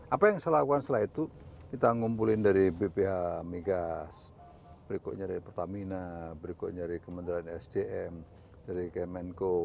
apa yang saya lakukan setelah itu kita ngumpulin dari bph migas berikutnya dari pertamina berikutnya dari kementerian sdm dari kemenko